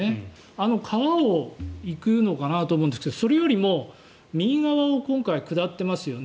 あの川を行くのかなと思うんですけどそれよりも右側を今回下っていますよね。